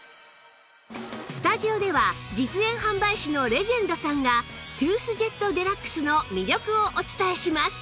スタジオでは実演販売士のレジェンドさんがトゥースジェット ＤＸ の魅力をお伝えします